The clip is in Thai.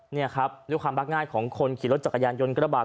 นี่ครับด้วยความรักง่ายของคนขี่รถจักรยานยนต์กระบาด